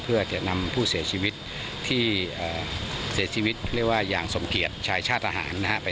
เพื่อจะนำผู้เสียชีวิตที่เสียชีวิตเรียกว่าอย่างสมเกียจชายชาติทหารนะฮะ